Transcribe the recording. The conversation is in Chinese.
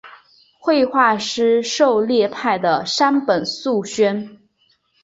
绘画师事狩野派的山本素轩。